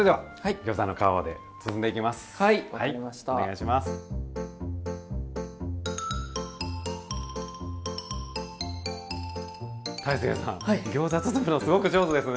ギョーザ包むのすごく上手ですね。